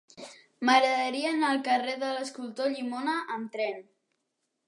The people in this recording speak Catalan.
M'agradaria anar al carrer de l'Escultor Llimona amb tren.